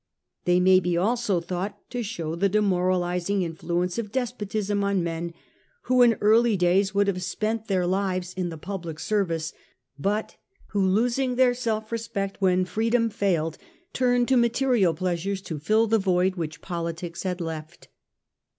They may be also thought to show the demoralizing influence of despotism on men who in early days would have spent their lives in the public service, 214 'The Earlier Empire, but who, losing their self respect when freedom failed, turned to material pleasures to fill the void which politics had left.